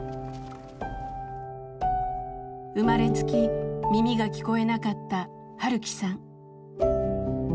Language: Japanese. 生まれつき耳が聞こえなかった晴樹さん。